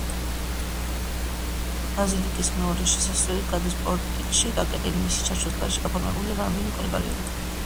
ბაზილიკის მეორე შესასვლელი გადის პორტიკში და კედელი მისი ჩარჩოს გარშემო გაფორმებულია რამდენიმე უნიკალური ბარელიეფით.